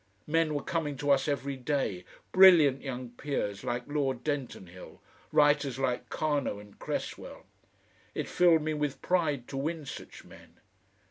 Men were coming to us every day, brilliant young peers like Lord Dentonhill, writers like Carnot and Cresswell. It filled me with pride to win such men.